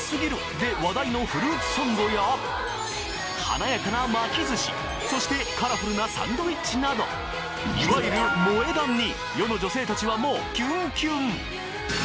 で話題のフルーツサンドや華やかな巻き寿司そしてカラフルなサンドイッチなどいわゆる「萌え断」に世の女性達はもうキュンキュン！